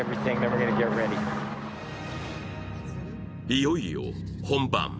いよいよ本番。